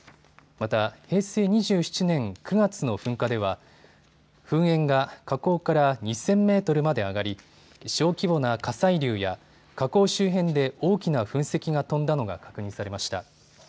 また平成２７年９月の噴火では噴煙が火口から２０００メートルまで上がり小規模な火砕流や火口周辺で大きな噴石が飛んだのが確認されました。